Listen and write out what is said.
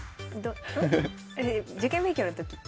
受験勉強の時って。